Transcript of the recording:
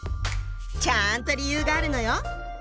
ちゃんと理由があるのよ！